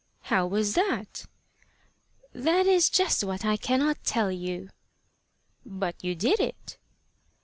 "How was that?" "That is just what I cannot tell you." "But you did it."